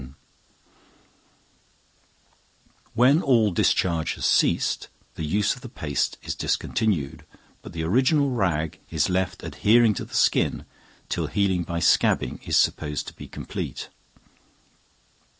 ] When all discharge has ceased, the use of the paste is discontinued, but the original rag is left adhering to the skin till healing by scabbing is supposed to be complete.